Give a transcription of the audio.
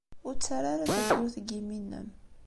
Ur ttarra ara tafrut deg yimi-nnem.